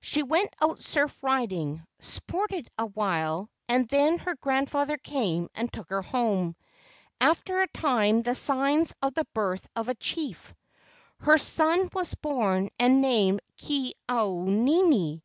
She went out surf riding, sported awhile, and then her grandfather came and took her home. After a time came the signs of the birth of a chief. Her son was born and named Ke au nini.